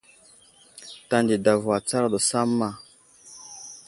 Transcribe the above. Tanday i adavo atsar daw samma.